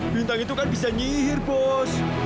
bintang itu kan bisa nyihir bos